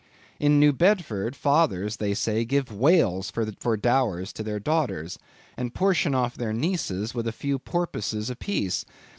In New Bedford, fathers, they say, give whales for dowers to their daughters, and portion off their nieces with a few porpoises a piece.